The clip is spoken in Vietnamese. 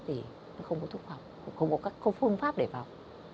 thì nó không có phương pháp để vào